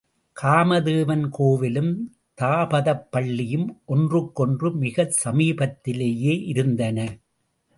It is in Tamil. காமதேவன் கோவிலும் தாபதப் பள்ளியும் ஒன்றுக்கொன்று மிகச் சமீபத்திலேயே இருந்தன.